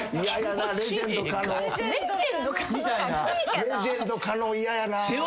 レジェンド狩野嫌やな。